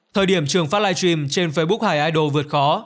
thời điểm trường phát live stream trên facebook hải idol vượt khó